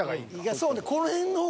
そうね